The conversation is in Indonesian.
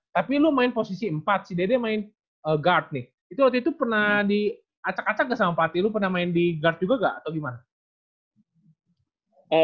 tapi lu main posisi empat sih dede main guard nih itu waktu itu pernah diacak acak gak sama pati lu pernah main di guard juga nggak atau gimana